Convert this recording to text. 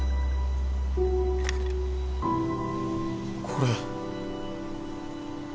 これ。